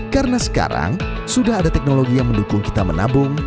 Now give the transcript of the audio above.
karena sekarang sudah ada teknologi yang mendukung kita menabung